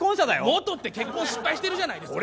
「元」って結婚失敗してるじゃないですか。